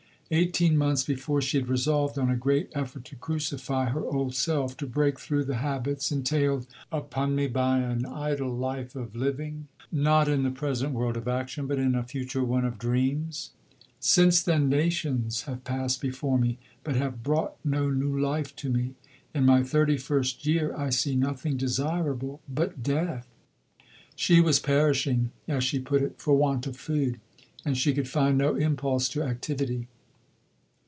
Eighteen months before she had resolved on a great effort to crucify her old self, "to break through the habits, entailed upon me by an idle life, of living, not in the present world of action, but in a future one of dreams. Since then nations have passed before me, but have brought no new life to me. In my 31st year I see nothing desirable but death." She was perishing, as she put it, for want of food; and she could find no impulse to activity.